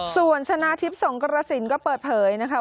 ส่วนชนะทิพย์สงกรสินก็เปิดเผยนะคะ